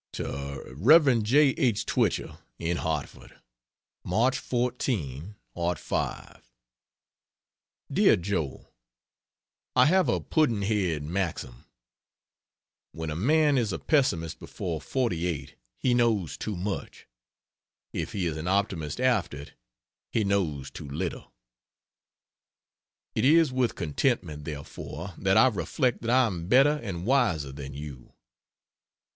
To Rev. J. H. Twichell, in Hartford: March 14, '05. DEAR JOE, I have a Puddn'head maxim: "When a man is a pessimist before 48 he knows too much; if he is an optimist after it, he knows too little." It is with contentment, therefore, that I reflect that I am better and wiser than you.